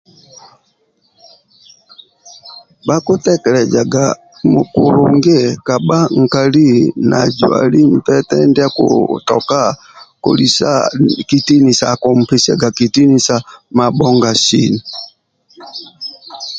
Bhakutekelezaga kulungi kabha nkali nazwali mpete ndia akutoka kolisa kitinisa akumpesiagaga kitinisa mabhonga sini